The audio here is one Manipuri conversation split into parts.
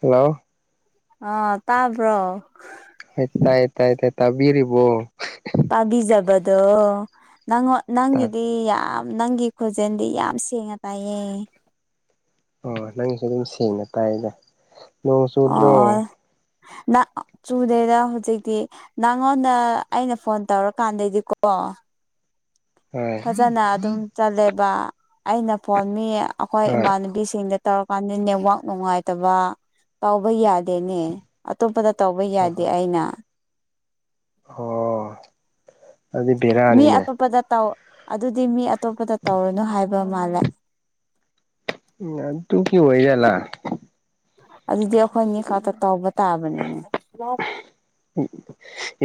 ꯍꯂꯣ ꯑ ꯇꯥꯕ꯭ꯔꯣ ꯍꯣꯏ ꯇꯥꯏ ꯇꯥꯏ ꯇꯥꯏ ꯇꯕꯤꯤꯔꯔꯤꯕꯣ ꯄꯥꯕꯤꯖꯕꯗꯣ ꯅꯪ ꯅꯪꯒꯤꯗꯤ ꯌꯥꯝ ꯅꯪꯒꯤ ꯈꯣꯟꯖꯦꯜꯗꯤ ꯌꯥꯝ ꯁꯦꯡꯅ ꯇꯥꯏꯌꯦ ꯑꯣ ꯅꯪꯁꯨ ꯑꯗꯨꯝ ꯁꯦꯡꯅ ꯇꯥꯏꯗ ꯅꯣꯡ ꯆꯨꯗ꯭ꯔꯣ ꯑꯣ ꯆꯨꯗꯦꯗ ꯍꯧꯖꯤꯛꯇꯤ ꯅꯪꯉꯣꯟꯗ ꯑꯩꯅ ꯐꯣꯟ ꯇꯧꯔꯀꯥꯟꯗꯩꯗꯤꯀꯣ ꯑ ꯍꯣꯏ ꯐꯖꯅ ꯑꯗꯨꯝ ꯆꯜꯂꯦꯕ ꯑꯩꯅ ꯐꯣꯟ ꯃꯤ ꯑꯩꯈꯣꯏ ꯍꯣꯏ ꯏꯃꯥꯟꯅꯨꯕꯤꯁꯤꯡꯗ ꯇꯧꯔꯛ ꯃꯥꯗ ꯅꯦꯠꯋꯥꯛ ꯅꯨꯡꯉꯥꯏꯇꯕ ꯇꯥꯎꯕ ꯌꯥꯗꯦꯅꯦ ꯑꯇꯣꯞꯄꯗ ꯇꯧꯕ ꯍꯣꯏ ꯌꯥꯗꯦ ꯍꯣꯏ ꯑꯩꯅ ꯑꯣ ꯑꯗꯨꯗꯤ ꯃꯤ ꯕꯦꯔꯥꯅꯤꯅꯦ ꯑꯇꯣꯞꯄꯗ ꯇꯥꯎ ꯑꯗꯨꯗꯤ ꯃꯤ ꯑꯇꯣꯞꯄꯗ ꯇꯧꯔꯨꯅꯨ ꯍꯥꯏꯕ ꯃꯥꯜꯂꯦ ꯎ ꯇꯨ ꯀ ꯑꯣꯏꯒꯂ ꯑꯗꯨꯗꯤ ꯑꯩꯈꯣꯏꯅꯤ ꯈꯛꯇ ꯇꯧꯕ ꯇꯥꯕꯅꯤꯅꯦ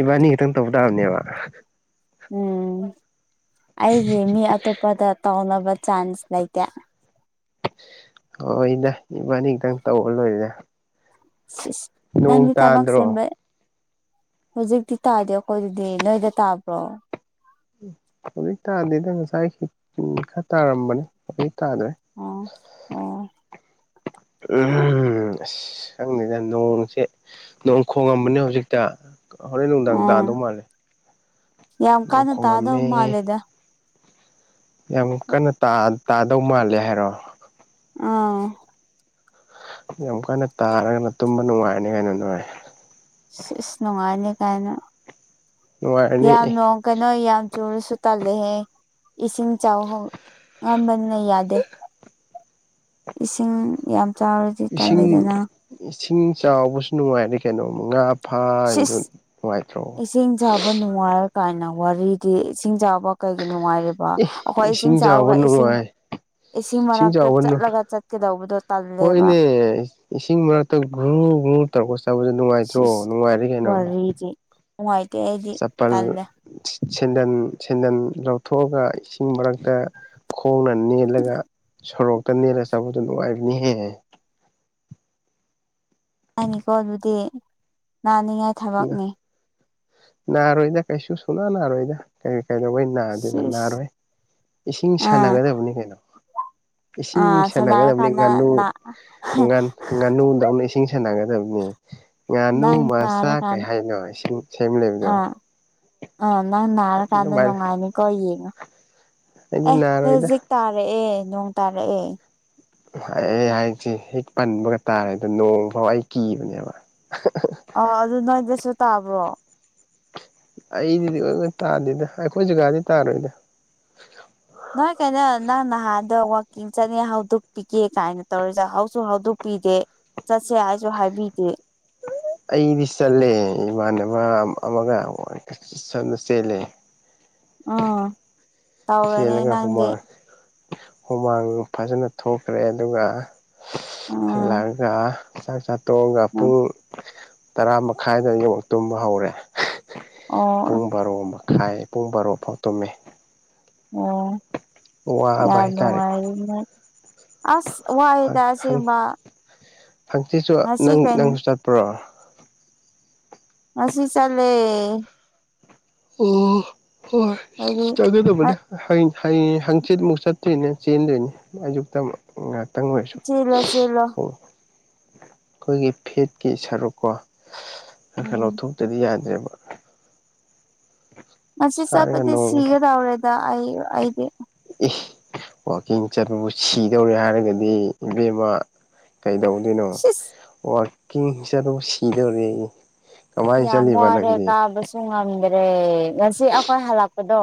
ꯏꯕꯥꯅꯤ ꯀꯇꯪ ꯇꯧꯧꯕꯗꯥꯕꯅꯦꯕ ꯎꯝ ꯑꯩꯒꯤ ꯃꯤ ꯑꯇꯣꯞꯄꯗ ꯇꯥꯎꯅꯕ ꯆꯥꯟꯁ ꯂꯏꯇ ꯍꯣꯏ ꯏꯗ ꯏꯕꯥꯅꯤ ꯈꯤꯇꯪ ꯇꯧ ꯂꯣꯏꯔꯗ ꯅꯪꯒꯤ ꯊꯕꯥꯛꯁꯕ ꯍꯧꯖꯤꯛꯇꯤ ꯇꯥꯗꯦ ꯑꯩꯈꯣꯏ ꯑꯗꯨꯗꯤ ꯅꯣꯏꯗ ꯇꯥꯕ꯭ꯔꯣ ꯍꯧꯖꯤꯛꯇꯗꯗꯅ ꯆꯥꯏ ꯎ ꯈ ꯇ ꯑꯔꯝ ꯃꯅꯤ ꯇꯔꯦ ꯑꯣ ꯑꯣ ꯎ ꯑꯁ ꯁꯪꯅꯤꯗ ꯅꯣꯡꯁꯦ ꯅꯣꯡ ꯈꯣꯡꯉꯝꯕꯅꯦ ꯍꯧꯖꯤꯛꯇ ꯍꯣꯔꯦꯟ ꯅꯨꯡꯗꯥꯡ ꯑꯥ ꯇꯥꯗꯧ ꯃꯥꯜꯂꯦ ꯌꯥꯝ ꯅꯣꯡ ꯀꯥꯟꯅ ꯇꯥꯗꯕ ꯈꯣꯡꯉꯝꯃꯦ ꯃꯥꯜꯂꯦꯗ ꯌꯥꯝ ꯀꯟꯅ ꯇꯥꯗꯧ ꯃꯥꯜꯂꯦ ꯍꯥꯏꯔꯣ ꯑꯥ ꯌꯥꯝ ꯀꯥꯟꯟꯅ ꯇꯥꯔꯒꯅ ꯇꯨꯝꯕ ꯅꯨꯡꯉꯥꯏꯔꯅꯤ ꯀꯩꯅꯣ ꯅꯨꯡꯉꯥꯏ ꯑ ꯑꯁ ꯅꯨꯡꯉꯥꯏꯅꯤ ꯀꯥꯏꯅ ꯅꯨꯡꯉꯥꯏꯔꯅꯤ ꯌꯥꯝ ꯑꯦ ꯅꯣꯡ ꯀꯩꯅꯣ ꯌꯥꯝ ꯆꯨꯔꯁꯨ ꯇꯥꯜꯂ ꯂꯦ ꯏꯁꯤꯡ ꯆꯥꯎꯕꯅꯅ ꯌꯥꯗꯦ ꯏꯁꯤꯡ ꯌꯥꯝ ꯆꯥꯎꯔꯗꯤ ꯏꯁꯤꯡ ꯇꯜꯂꯗꯅ ꯏꯁꯤꯡ ꯆꯥꯎꯕꯁꯨ ꯅꯨꯡꯉꯥꯏꯔꯦ ꯀꯩꯅꯣꯝ ꯉꯥ ꯐꯥꯔꯤꯗꯣ ꯁꯤꯁ ꯅꯨꯡꯉꯥꯏꯇ꯭ꯔꯣ ꯏꯁꯤꯡ ꯆꯥꯕ ꯅꯨꯡꯉꯥꯏꯔꯛ ꯀꯥꯏꯅ ꯋꯥꯔꯤꯗꯤ ꯏꯁꯤꯡ ꯆꯥꯕ ꯀꯩꯒꯤ ꯅꯨꯡꯉꯥꯏꯔꯤꯕ ꯑꯦ ꯑꯩꯈꯣꯏ ꯏꯁꯤꯡ ꯆꯥꯎꯕ ꯆꯥꯎꯔꯒ ꯏꯁꯤꯡ ꯅꯨꯡꯉꯥꯏ ꯏꯁꯤꯡ ꯃꯔꯅꯥꯛꯇ ꯆꯠꯂꯒ ꯆꯠꯀꯗꯧꯕꯗꯣ ꯇꯜꯂꯦꯕ ꯍꯣꯏꯅꯦ ꯍꯨ ꯨ ꯇꯧꯔꯛ ꯈꯣꯠꯕꯗ ꯅꯨꯡꯉꯥꯏꯇ꯭ꯔꯣ ꯁꯤꯁ ꯅꯨꯡꯉꯥꯏꯔ ꯀꯩꯅꯣ ꯋꯥꯔꯤꯗꯤ ꯅꯨꯡꯉꯥꯏꯇꯦ ꯑꯩꯗꯤ ꯆꯄꯜ ꯇꯜꯂꯦ ꯁꯦꯟꯗꯟ ꯁꯦꯟꯗꯟ ꯂꯧꯊꯣꯛꯑꯒ ꯏꯁꯤꯡ ꯃꯔꯛꯇ ꯍꯣꯡꯅ ꯅꯦꯠꯂꯒ ꯁꯣꯔꯣꯛꯇ ꯅꯦꯜꯂ ꯆꯠꯄꯗꯣ ꯅꯨꯡꯉꯥꯏꯕꯅꯤꯍꯦ ꯍꯥꯏꯅꯤꯀꯣ ꯑꯗꯨꯗꯤ ꯅꯥꯅꯤꯡꯉꯥꯏ ꯊꯕꯛꯅꯦ ꯅꯔꯣꯏꯗ ꯀꯩꯁꯨ ꯁꯨꯅ ꯅꯔꯣꯏꯗ ꯀꯩ ꯀꯩꯗꯧꯕꯩ ꯅꯥꯗꯣꯏꯕ ꯁꯤꯁ ꯅꯥꯔꯣꯏ ꯏꯁꯤꯡ ꯑꯥ ꯁꯥꯟꯅꯒꯗꯕꯅꯤ ꯀꯩꯅꯣ ꯏꯁꯤꯡ ꯑꯥ ꯁꯥꯟꯅꯒꯗꯕꯅꯤ ꯁꯥꯟꯅꯔꯀꯥꯟꯗ ꯉꯥꯅꯨ ꯅꯥ ꯉꯥꯟ ꯉꯥꯅꯨꯗꯧꯅ ꯏꯁꯤꯡ ꯁꯥꯟꯅꯒꯗꯅꯤ ꯗꯕꯅꯤ ꯉꯥꯅꯨ ꯅꯪ ꯃꯆꯥ ꯅꯥꯔꯀꯥꯟ ꯀꯩ ꯍꯥꯏꯅꯣ ꯏꯁꯤꯡ ꯁꯦꯝꯂꯩꯕꯗꯣ ꯑ ꯅꯪ ꯅꯥꯔ ꯀꯥꯟꯗ ꯅꯨꯡꯉꯥꯏꯅꯤ ꯀꯣ ꯌꯦꯡꯉꯣ ꯑꯩꯗꯤ ꯑꯦ ꯅꯥꯔꯣꯏꯗ ꯍꯧꯖꯤꯛ ꯇꯥꯔꯛꯑꯦ ꯅꯣꯡ ꯇꯥꯔꯛꯑꯦ ꯑꯩ ꯍꯥꯏꯁꯤ ꯍꯦꯛ ꯄꯟꯕꯒ ꯇꯥꯔꯦꯗ ꯅꯣꯡ ꯐꯥꯎ ꯑꯩ ꯀꯤꯕꯅꯦꯕ ꯑ ꯑꯗꯨ ꯅꯣꯏꯗꯁꯨ ꯇꯥꯕ꯭ꯔꯣ ꯑꯩꯗꯤꯗꯤꯣꯏ ꯇꯥꯗꯦꯗ ꯑꯩꯈꯣꯏ ꯖꯒꯥꯗꯤ ꯇꯥꯔꯣꯏꯗ ꯅꯣꯏ ꯀꯩꯅꯣ ꯅꯪ ꯅꯍꯥꯟꯗ ꯋꯥꯋꯥꯛꯀꯤꯡ ꯆꯠꯅꯤꯡ ꯍꯧꯗꯣꯛꯄꯤꯒꯦ ꯀꯥꯏꯅ ꯇꯧꯔꯤꯁ ꯍꯧꯁꯨ ꯍꯧꯗꯣꯛ ꯄꯗꯦ ꯆꯠꯁꯦ ꯍꯥꯏꯁꯨ ꯍꯥꯏꯕꯤꯗꯦ ꯑꯩꯗꯤ ꯆꯠꯂꯦ ꯏꯃꯥꯟꯅꯕ ꯑꯃꯒ ꯁꯗ ꯆꯦꯜꯂꯦ ꯎꯝ ꯇꯧꯔꯅꯤ ꯆꯦꯜꯂꯒ ꯅꯪꯗꯤ ꯍꯨꯃꯥꯡ ꯍꯨꯃꯥꯡ ꯐꯖꯅ ꯊꯣꯛꯈ꯭ꯔꯦ ꯑꯗꯨꯒ ꯎꯝ ꯍꯜꯂꯛꯑꯒ ꯆꯥꯛ ꯆꯥ ꯇꯣꯡꯉꯒ ꯄꯨꯡ ꯇꯔꯥ ꯃꯈꯥꯏꯗ ꯌ ꯇꯨꯝꯕ ꯍꯧꯔꯦ ꯑꯣ ꯄꯨꯡ ꯕꯥꯔꯣ ꯃꯈꯥꯏ ꯄꯨꯡ ꯕꯥꯔꯣꯐꯥꯎ ꯇꯨꯝꯃꯦ ꯑꯣ ꯋꯥꯕ ꯌꯥꯝ ꯍꯥꯏꯇꯥꯔꯦꯀꯣ ꯅꯨꯡꯉꯥꯏꯔꯤ ꯅꯪ ꯑꯁ ꯋꯥꯏꯋꯦꯗ ꯑꯁꯦꯡꯕ ꯍꯪꯆꯤꯠꯁꯨ ꯉꯁꯤ ꯅꯪ ꯀꯩ ꯅꯪꯁꯨ ꯆꯠꯄ꯭ꯔꯣ ꯉꯁꯤ ꯆꯜꯂꯦ ꯎꯝ ꯍꯣꯏ ꯍꯥꯏꯗꯤ ꯆꯥꯟꯅꯗꯕꯅꯦ ꯍꯌꯦꯡ ꯍꯌꯦꯡ ꯍꯪꯆꯤꯠꯃꯨꯛ ꯆꯠꯇꯣꯏꯅꯦ ꯆꯦꯟꯗꯣꯏꯅꯤ ꯑꯌꯨꯛꯇ ꯃꯨꯛ ꯉꯥꯛ ꯇꯪꯑꯣꯏꯔꯁꯨ ꯆꯦꯜꯂꯣ ꯆꯦꯜꯂꯣ ꯍꯣ ꯑꯩꯈꯣꯏꯒꯤ ꯐꯦꯠꯀꯤ ꯁꯔꯨꯛꯀꯣ ꯈ ꯈꯔ ꯎꯝ ꯂꯧꯊꯣꯛꯇꯗꯤ ꯌꯥ ꯗꯦꯕ ꯉꯁꯤ ꯆꯠꯄꯗꯤ ꯅꯣꯡ ꯁꯤꯒꯗꯥꯎꯔꯦꯗ ꯑꯩ ꯑꯩꯗꯤ ꯏ ꯋꯥꯛꯀꯤꯡ ꯆꯠꯄꯕꯨ ꯁꯤꯗꯧꯔꯦ ꯍꯥꯏꯔꯒꯗꯤ ꯏꯕꯦꯝꯃꯥ ꯀꯩꯗꯧꯗꯣꯏꯅꯣ ꯁꯤꯁ ꯋꯥꯛꯀꯤꯡ ꯆꯠꯄꯕꯨ ꯁꯤꯗꯧꯔꯦꯌꯦ ꯌꯥꯝ ꯋꯥꯔꯦ ꯀꯥꯕꯁꯨ ꯉꯝꯗ꯭ꯔꯦ ꯉꯁꯤ ꯑꯩꯈꯣꯏ ꯍꯜꯂꯛꯄꯗꯣ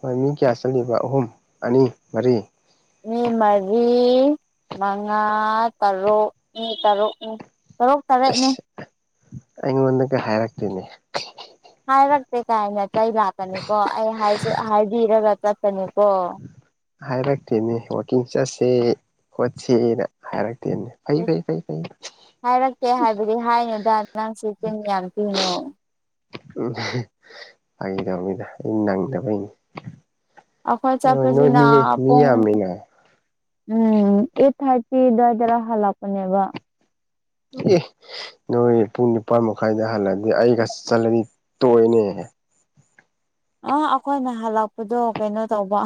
ꯃꯣꯏ ꯃꯤ ꯀꯌꯥ ꯆꯠꯂꯤꯕ ꯑꯍꯨꯝ ꯑꯅꯤ ꯃꯔꯤ ꯃꯤ ꯃꯔꯤ ꯃꯉꯥ ꯇꯔꯨꯛ ꯃꯤ ꯇꯔꯨꯛꯅꯤ ꯇꯔꯨꯛ ꯇꯔꯦꯠꯅꯦ ꯑꯁ ꯑꯩꯉꯣꯟꯗꯒ ꯍꯥꯏꯔꯛꯇꯦꯅꯦ ꯍꯥꯏꯔꯛꯇꯦ ꯀꯥꯏ ꯅ ꯆꯩ ꯂꯥꯛꯀꯅꯤꯀꯣ ꯑꯩ ꯍꯥꯏ ꯍꯥꯏꯕꯤꯔꯒ ꯆꯠꯄꯅꯤꯀꯣ ꯍꯥꯏꯔꯛꯇꯦꯅꯦ ꯋꯥꯛꯀꯤꯡ ꯆꯠꯁꯦ ꯈꯣꯠꯁꯦꯅ ꯍꯥꯏꯔꯛ ꯐꯩ ꯐꯩ ꯐꯩ ꯐꯩ ꯍꯥꯏꯔꯛꯇꯦ ꯍꯥꯏꯕꯗꯤ ꯍꯥꯏꯅꯨꯗ ꯅꯪꯁꯤ ꯆꯤꯟ ꯌꯥꯝ ꯄꯤꯅꯣ ꯎꯝ ꯐꯒꯤ ꯇꯧꯅꯤꯗꯥ ꯑꯩ ꯅꯪꯗꯕꯩꯅꯤ ꯑꯈꯣꯏ ꯍꯣꯏ ꯅꯣꯏ ꯆꯠꯄꯁꯤꯅ ꯃꯤ ꯃꯤ ꯄꯨꯡ ꯌꯥꯝꯃꯤꯅ ꯎꯝ ꯑꯩꯠ ꯊꯥꯔꯇꯤ ꯗꯖꯔ ꯍꯂꯛꯄꯅꯦꯕ ꯑꯦ ꯅꯣꯏ ꯄꯨꯡ ꯅꯤꯄꯥꯥꯟ ꯃꯈꯥꯏꯗ ꯍꯜꯂꯗꯤ ꯑꯩꯒ ꯆꯠꯂꯗꯤ ꯇꯣꯏꯅꯦ ꯑ ꯑꯩꯈꯣꯏꯅ ꯍꯜꯂꯛꯄꯗꯣ ꯀꯩꯅꯣ ꯇꯧꯕ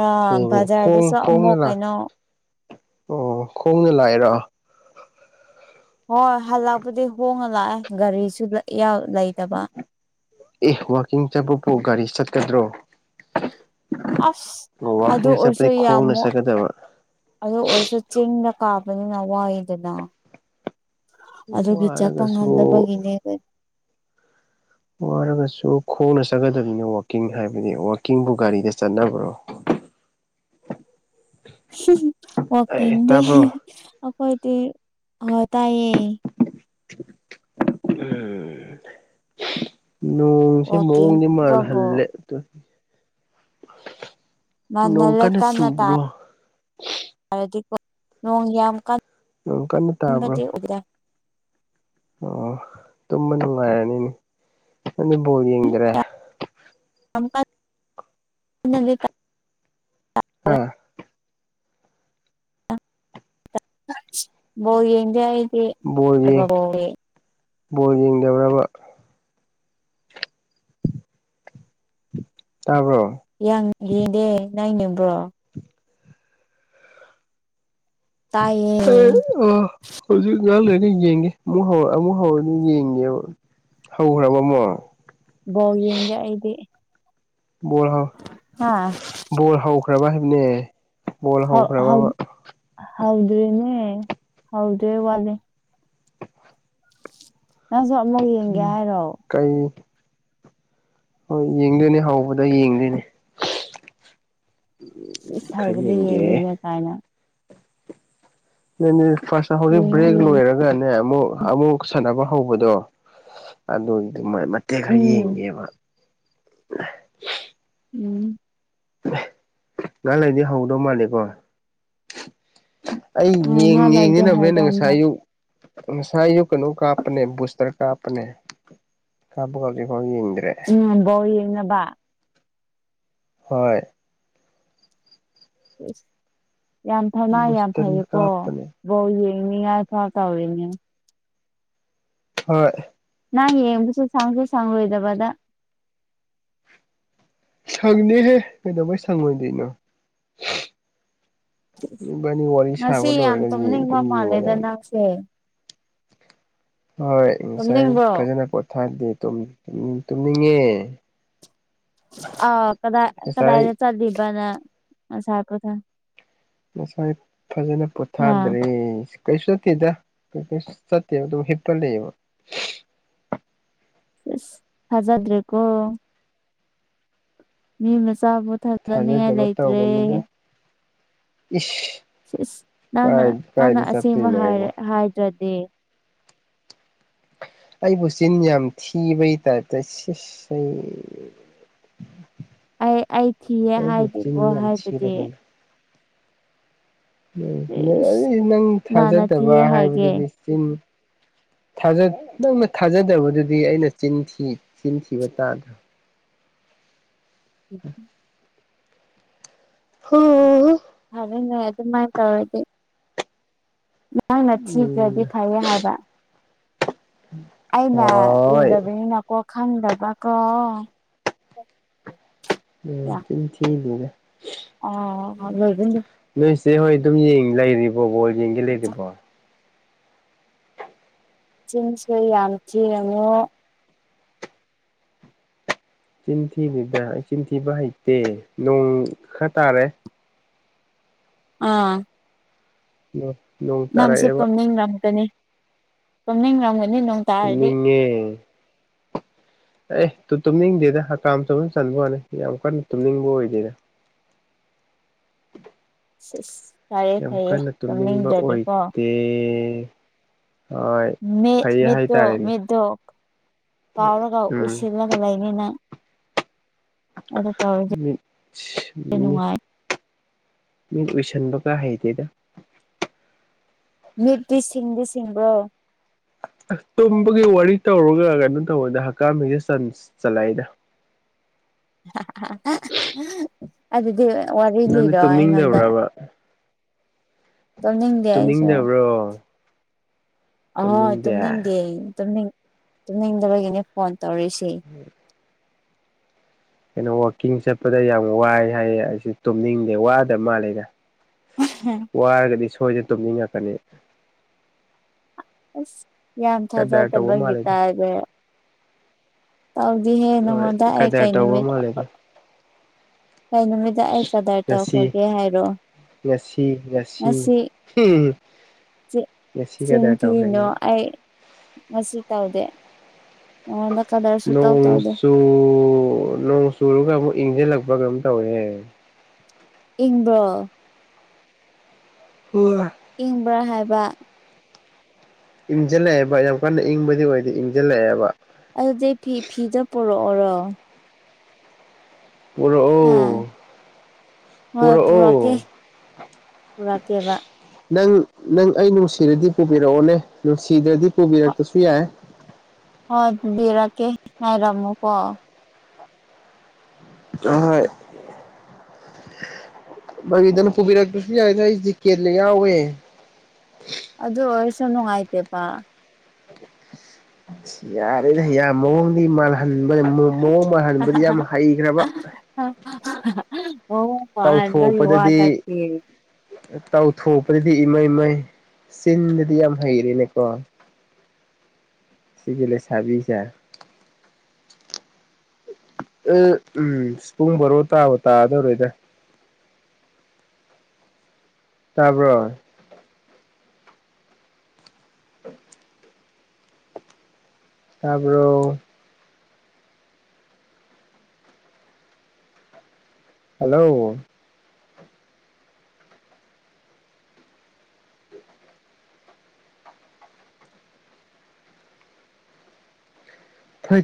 ꯑ ꯊꯦꯡꯉꯦ ꯈꯣꯡ ꯕꯖꯥꯔꯗꯨꯁꯨ ꯈꯣꯡꯅ ꯑꯃꯨꯛ ꯂꯥꯛ ꯀꯩꯅꯣ ꯑꯣ ꯈꯣꯡꯅ ꯂꯥꯛꯏꯔꯣ ꯍꯣꯏ ꯍꯜꯂꯛꯄꯗꯤ ꯍꯣꯡꯅ ꯂꯥꯛꯑꯦ ꯒꯥꯔꯤꯁꯨ ꯂꯠ ꯏ ꯌꯥꯝ ꯑꯦ ꯋꯥꯋꯀꯤꯡ ꯆꯠꯄꯄ ꯒꯥꯔꯤ ꯆꯠꯀꯗ꯭ꯔꯣ ꯑꯁ ꯑꯗꯨ ꯋꯥꯛꯀꯤꯡ ꯑꯣꯏꯔꯁꯨ ꯆꯠꯄꯗꯤ ꯈꯣꯡꯅ ꯌꯥꯝꯃꯨ ꯆꯠꯀꯗꯕ ꯑꯗꯨ ꯑꯣꯏꯔꯁꯨ ꯆꯤꯡꯗ ꯀꯥꯄꯅꯤꯅ ꯋꯥꯏꯗꯗ ꯑꯗꯨꯒꯤ ꯆꯄ ꯋꯥꯔꯒꯁꯨ ꯉꯝꯗꯕꯒꯤꯅꯦ ꯀ ꯋꯥꯔꯒꯁꯨ ꯈꯣꯡꯅ ꯆꯠꯀꯗꯕꯅꯤ ꯋꯥꯋꯥꯛꯀꯤꯡ ꯍꯥꯏꯕꯗꯤ ꯋꯥꯋꯥꯛꯀꯤꯡꯕꯨ ꯒꯥꯔꯤꯗ ꯆꯠꯅꯕ꯭ꯔꯣ [inaudible] ꯋꯥꯀꯤ ꯑꯦ ꯗꯦ ꯇꯥꯕ꯭ꯔꯣ ꯑꯩꯈꯣꯏ ꯇ ꯍ ꯇꯥꯏꯌꯦ ꯎꯝ ꯅꯣꯡꯁꯦ ꯋꯥꯛꯀꯤꯡ ꯃꯑꯣꯡꯗꯤ ꯆꯠꯄꯕꯨ ꯃꯥꯜꯍꯜꯂꯦ ꯑꯗꯨ ꯅꯣꯡ ꯀꯟꯅ ꯆꯨꯕꯔꯣ ꯗꯤ ꯀꯣ ꯅꯣꯡ ꯌꯥꯝ ꯀꯟ ꯅꯣꯡ ꯀꯟꯅ ꯇꯥꯕ꯭ꯔꯣ ꯑꯣ ꯇꯨꯝꯃ ꯅꯨꯡꯉꯥꯏꯔꯅꯤꯅꯦ ꯅꯪꯗꯤ ꯕꯣꯜ ꯌꯦꯡꯗ꯭ꯔꯦ ꯑꯃꯠ [unintelligible] ꯑꯥ ꯕꯣꯜ ꯌꯦꯡꯗꯦ ꯑꯩ ꯕꯣꯜ ꯌꯦꯡ [unintelligible] ꯕꯣꯜ ꯌꯦꯡꯗꯕ꯭ꯔꯕ ꯇꯕ꯭ꯔꯣ ꯏ ꯌꯦꯡꯗꯦ ꯅꯪ ꯅꯕ꯭ꯔꯣ ꯇꯥꯏꯌꯦ ꯑꯦ ꯑ ꯍꯧꯖꯤ ꯏ ꯂꯣꯏꯔꯗꯤ ꯌꯦꯡꯒꯦ ꯑꯃꯨꯛ ꯍꯧꯔ ꯑꯃꯨꯛ ꯍꯧꯔꯗꯤ ꯌꯦꯡꯉꯦꯕ ꯍꯧꯈ꯭ꯔꯕ ꯑꯃꯣ ꯕ ꯌꯦꯒ ꯏꯗꯤ ꯣꯔ ꯍꯥꯎ ꯣꯔ ꯍꯥꯎꯈ꯭ꯔꯕ ꯍꯥꯏꯕꯅꯦ ꯣꯜ ꯍꯈ꯭ꯔꯕꯕ ꯍꯥꯎꯗꯦꯅꯦ ꯍꯥꯎꯗ꯭ꯔꯦ ꯋꯥꯂꯦ ꯅꯪꯁꯨꯣꯃꯒ ꯌꯦꯡꯒꯦ ꯍꯥꯏꯔꯣ ꯀꯩ ꯍꯣꯏ ꯌꯦꯡꯗꯣꯏꯅꯦ ꯍꯧꯕꯗ ꯌꯦꯡꯗꯣꯏꯅꯦ ꯈꯔ ꯊꯧꯕꯗ ꯌꯦꯡꯒꯦ ꯌꯦꯡꯗꯣꯏꯅꯦ ꯀꯥꯏꯅ ꯂꯩꯅꯤ ꯐꯥꯁ ꯌꯦꯡꯉꯣ ꯍꯗꯤ ꯭ꯔꯦꯛ ꯌꯦꯡꯉꯣ ꯂꯣꯏꯔꯒꯅꯦ ꯑꯃꯨꯛ ꯑꯃꯨꯛ ꯁꯥꯟꯅꯕ ꯍꯧꯕꯗꯣ ꯑꯗꯨꯒꯤꯗꯨ ꯃꯇꯦꯛ ꯈꯔ ꯎꯝ ꯌꯦꯡꯒꯦꯕ [inaudible] ꯎꯝ ꯅꯍꯥꯟ ꯂꯩꯗꯤ ꯍꯧꯗꯧ ꯃꯥꯜꯂꯦꯀꯣ ꯑꯩꯡ ꯎꯝ ꯉꯥꯛ ꯂꯩꯔꯗꯤ ꯌꯦꯡꯁꯤꯅꯕꯅꯦꯦꯅ ꯍꯧꯗꯧ ꯉꯁꯥꯏ ꯃꯥꯜꯂꯦ ꯑꯌꯨꯛ ꯁꯨ ꯀꯩꯅ ꯀꯥꯄꯅꯦ ꯕꯨꯁꯇꯔ ꯀꯥꯄꯅꯦ ꯀꯥꯄ ꯎꯝꯝꯕꯣ ꯌꯦꯡꯅꯕ ꯍꯣꯏ ꯌꯥꯝ ꯐꯅ ꯌꯥꯝ ꯕꯨꯁꯇꯔꯤ ꯐꯩꯌꯦꯀꯣ ꯀꯥꯞꯄꯅꯦ ꯕꯧ ꯁꯥꯎ ꯇ ꯑꯣꯏꯅꯤ ꯍꯣꯏ ꯅꯍ ꯌꯦꯡꯕꯁꯨ ꯁꯥꯡꯁꯦ ꯁꯥꯡꯂꯣꯏꯗꯕꯗ ꯁꯪꯅꯦꯍꯦ ꯀꯩꯗꯧꯕꯩ ꯁꯪꯉꯣꯏꯗꯣꯏꯩꯅꯣ ꯕꯥꯅꯤ ꯋꯥꯔ ꯉꯁꯤ ꯁꯥꯒꯔ ꯌꯥꯝ ꯇꯨꯝꯅꯤꯡꯕ ꯃꯥꯜꯂꯦꯗ ꯌꯦꯉꯅꯤ ꯅꯪꯁꯦ ꯍꯣꯏ ꯉꯁꯥꯏ ꯇꯨꯝꯅꯤꯡꯕ꯭ꯔꯣ ꯐꯖꯅ ꯄꯣꯊꯥꯗꯤꯦ ꯇꯨꯝꯅꯤꯡꯉꯦ ꯑꯥ ꯀꯗꯥꯏ ꯉꯁꯥꯏ ꯀꯗꯥꯏꯗ ꯆꯠꯂꯤꯕꯅ ꯉꯁꯥ ꯉꯁꯥꯏ ꯐꯖꯅ ꯑꯥ ꯄꯣꯊꯥꯗ꯭ꯔꯤ ꯀꯩꯁꯨ ꯆꯠꯇꯦꯗ ꯀꯩꯁꯨ ꯆꯠꯇꯦꯕ ꯑꯗꯨ ꯍꯤꯞꯄꯜ ꯂꯩꯌꯦꯕ ꯐꯖꯥꯗ꯭ꯔꯦꯀꯣ ꯃꯤ ꯃꯆꯥꯕꯨ ꯊꯝꯖꯅꯤꯉꯥꯏ ꯂꯩꯇ꯭ꯔꯦ ꯏ ꯁ ꯅꯪꯅ ꯅꯪꯅ ꯑꯁꯦꯡꯕ ꯆꯠꯇꯣꯏꯅꯣ ꯑꯩꯕꯣ ꯍꯥꯏꯗ꯭ꯔꯗꯤ ꯑꯩꯕꯨ ꯆꯤꯟ ꯌꯥꯝ ꯊꯤꯕꯩꯇꯥꯔꯦ ꯇ ꯑꯩ ꯑꯩ ꯊꯤꯌꯦꯦ ꯑꯩꯕꯨ ꯍꯥꯏꯗꯦꯀꯣ ꯆꯤꯟ ꯌꯥꯝ ꯍꯥꯏꯕꯗꯤ ꯊꯤꯔꯕꯅꯦ ꯏꯁ ꯎꯝ ꯅꯪ ꯀꯅꯥꯅ ꯊꯥꯖꯗꯕ ꯊꯤꯌꯦ ꯍꯥꯏꯒꯦ ꯍꯥꯏꯕꯗꯨꯗꯤ ꯆꯤꯟ [inaudible] ꯅꯪꯅ ꯊꯥꯖꯗꯕꯗꯨꯗꯤ ꯑꯩꯅ ꯆꯤꯟꯈꯤꯕ ꯇꯥꯗ꯭ꯔꯥ ꯎꯝ ꯍ ꯑꯗꯨꯅꯦ ꯑꯗꯨꯃꯥꯏꯅ ꯇꯧꯔꯗꯤ ꯅꯪꯅ ꯊꯤꯗ꯭ꯔꯗꯤ ꯐꯩꯌꯦ ꯍꯥꯏꯕ ꯑꯅ ꯍꯣꯏ ꯎꯗꯕꯤꯅꯤ ꯅ ꯀꯣ ꯈꯪꯗꯕꯀꯣ ꯎ ꯊꯔꯦ ꯑ ꯂꯩꯒꯗ ꯁꯤꯦ ꯍꯣꯏ ꯑꯗꯨꯝ ꯌꯦꯡ ꯂꯩꯔꯤꯕꯣ ꯕꯣꯜ ꯌꯦꯡꯒꯦ ꯂꯩꯔꯤꯕꯣ ꯆꯤꯟꯁꯨ ꯌꯥꯝ ꯆꯅ ꯆꯤꯟꯊꯤꯕꯤꯗ ꯑꯩ ꯆꯤꯟꯊꯤꯕ ꯍꯩꯇꯦ ꯅꯣꯡ ꯈꯔ ꯇꯥꯔꯦ ꯑꯥ ꯎ ꯅꯪꯁꯨ ꯄꯣꯝꯅꯤꯡꯔꯝꯒꯅꯤ ꯄꯝꯅꯤꯡꯔꯝꯒꯅꯤ ꯅꯤ ꯅꯣꯡ ꯇꯥꯔꯗꯤꯦ ꯇꯨꯝꯅꯤꯡꯉꯦ ꯑꯦ ꯇꯨꯝꯅꯤꯡꯗꯦꯗ ꯍꯀꯥꯝ ꯆꯅ ꯆꯟꯕ ꯋꯥꯅꯤ ꯌꯥꯝ ꯀꯟꯅ ꯇꯨꯝꯅꯤꯡꯕ ꯑꯣꯏꯗꯣꯏꯗ [inaudible] ꯁꯤꯦꯁ ꯌꯥꯝ ꯀꯟꯅ ꯇꯨꯝꯅꯤꯡꯕ ꯑꯣꯏꯗꯦ ꯍꯣꯏ ꯃꯤ ꯐꯩꯌꯦ ꯃꯤꯠꯇꯣ ꯍꯥꯏꯇꯥꯔꯦꯅꯦ ꯃꯤꯠꯇꯣ ꯀꯥꯎꯔꯒ ꯎꯝ ꯎꯏꯁꯤꯜꯂꯒ ꯂꯩꯅꯤꯅ ꯑꯗꯨ ꯇꯥꯎꯗꯤ ꯃꯤꯠ ꯅꯨꯡꯉꯥꯏ ꯃꯤ ꯎꯏꯁꯟꯕ ꯀꯥ ꯍꯩꯇꯦꯗ ꯃꯤꯠꯄꯤ ꯁꯤꯡꯗꯤ ꯁꯤꯡꯕ꯭ꯔꯣ ꯇꯨꯝꯕꯒꯤ ꯋꯥꯔꯤ ꯇꯧꯔꯒ ꯀꯩꯅꯣ ꯇꯧꯕꯗ ꯍꯛꯀꯝ ꯍꯩꯁ ꯆꯠꯂꯏꯗ ꯑꯗꯨꯗꯤ ꯋꯥꯔꯤ ꯅꯪꯗꯤ ꯂꯤꯔꯣ ꯑꯩꯉꯣꯟꯗ ꯇꯨꯝꯅꯤꯡꯗꯕ꯭ꯔꯕ ꯇꯨꯝꯅꯤꯡꯗꯦ ꯇꯨꯝꯅꯤꯡꯗꯕ꯭ꯔꯣ ꯑꯣꯏ ꯇꯨꯝꯅꯤꯡꯗꯦ ꯇꯨꯝꯅꯤꯡꯗꯦꯅꯤꯡ ꯇꯨꯝꯅꯤꯡꯗꯕꯒꯤꯅꯦ ꯐꯣꯟ ꯇꯔꯁꯤ ꯀꯩꯅꯣ ꯋꯥꯋꯥꯛꯀꯤꯡ ꯆꯠꯄꯗ ꯌꯥꯝ ꯋꯥꯏ ꯍꯥꯏꯌꯦ ꯑꯩꯁꯨ ꯇꯨꯝꯅꯤꯡꯗꯦ ꯋꯥꯗꯕ ꯃꯥꯜꯂꯦꯗ ꯋꯥꯔꯒꯗꯤ ꯁꯣꯏꯗꯅ ꯇꯨꯝꯅꯤꯡꯉꯛꯀꯅꯤ ꯑꯁ ꯌꯥꯝ ꯀꯗꯔ ꯇꯧꯕ ꯆꯥꯖꯗꯕꯒꯤ ꯃꯥꯜꯂꯦꯗ ꯇꯔꯦ ꯇꯧꯗꯤꯍꯦ ꯍꯣꯏ ꯅꯉꯣꯟꯗ ꯑꯩ ꯀꯗꯔ ꯀꯩ ꯇꯧꯕ ꯅꯨꯃꯤꯠ ꯃꯥꯜꯂꯦꯗ ꯀꯩ ꯅꯨꯃꯤꯠꯇ ꯑꯩ ꯐꯗꯔ ꯉꯁꯤ ꯇꯧꯈ꯭ꯔꯒꯦ ꯍꯥꯏꯔꯣ ꯉꯁꯤ ꯉꯁꯤ ꯉꯁꯤ ꯀꯗꯔ ꯇꯧꯈ꯭ꯔꯦ ꯁꯤꯟꯊꯅꯣ ꯅꯪ ꯑꯩ ꯃꯁꯤ ꯗꯦ ꯅꯣꯡ ꯆꯨ ꯅꯣꯡ ꯆꯨꯔꯒ ꯑꯃꯨꯛ ꯏꯪꯖꯦ ꯂꯥꯛꯄ ꯒ ꯑꯃ ꯇꯧꯋꯦ ꯏꯪꯕ꯭ꯔꯣ ꯏꯪꯕ꯭ꯔꯥ ꯍꯥꯏꯕ ꯏꯪꯁꯤꯜꯂꯛꯑꯦꯕ ꯌꯥꯝ ꯀꯟꯅ ꯏꯪꯕꯗꯤ ꯑꯣꯏꯗꯦ ꯏꯪꯁꯤꯜꯂꯛꯑꯦꯕ ꯑꯗꯨꯗꯤ ꯐꯤ ꯐꯤꯗ ꯄꯨꯔꯛꯑꯣꯔꯣ ꯑꯝ ꯄꯨꯔꯛꯑꯣ ꯍꯣꯏ ꯄꯨꯔꯛꯑꯣ ꯄꯨꯔꯛꯀꯦ ꯄꯨꯔꯛꯀꯦꯕ ꯅꯪ ꯅꯪ ꯑꯩ ꯅꯨꯡꯁꯤꯔꯗꯤ ꯄꯨꯕꯤꯔꯛꯑꯣꯅꯦ ꯅꯨꯡꯁꯤꯗ꯭ꯔꯗꯤ ꯄꯨꯕꯤꯔꯛꯇꯁꯨ ꯌꯥꯏ ꯍ ꯑꯗꯨꯕꯤꯔꯛꯀꯦ ꯉꯥꯏꯔꯝꯃꯨꯀꯣ ꯑ ꯍꯣꯏ ꯏꯗꯅ ꯄꯨꯕꯤꯔ ꯀꯔꯂ ꯌꯥꯎꯋꯦ ꯑꯗꯨꯗ ꯍꯔꯁꯅꯅꯨꯡ ꯑꯥꯏꯇꯦ ꯄ ꯌꯥꯔꯦꯗ ꯍ ꯌꯥꯝ ꯃꯣꯍꯅꯤ ꯃꯥ ꯃꯑꯣꯡ ꯃꯇ ꯍꯟꯕꯗꯤ ꯌꯥꯝ ꯍꯩꯈ꯭ꯔꯕ ꯃꯑꯣꯡ ꯃꯥꯟꯕꯒꯤ ꯋꯥ ꯇꯧꯊꯣꯛꯄꯗꯗꯤ ꯅꯠꯇꯦ ꯇꯧꯊꯣꯛꯄꯗꯗꯤ ꯏꯃꯩ ꯃꯩ ꯆꯤꯟꯗꯗꯤ ꯌꯥꯝ ꯍꯩꯔꯦꯅꯦꯀꯣ ꯁꯤꯖꯤꯂꯦ ꯆꯕꯤ ꯁꯥꯥ ꯎꯝ ꯄꯨꯡ ꯕꯥꯔꯣ ꯇꯥꯕ ꯇꯥꯗꯧꯔꯣꯏꯗ ꯇꯕꯣ ꯇꯔꯕꯔꯣ ꯍꯜꯂꯣ